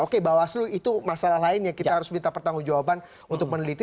oke bawaslu itu masalah lain yang kita harus minta pertanggung jawaban untuk meneliti